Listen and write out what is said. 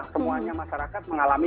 semuanya masyarakat mengalami